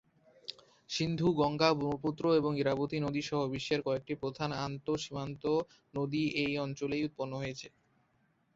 সিন্ধু গঙ্গা, ব্রহ্মপুত্র এবং ইরাবতী নদী সহ বিশ্বের কয়েকটি প্রধান আন্তঃসীমান্ত নদী এই অঞ্চলেই উৎপন্ন হয়েছে।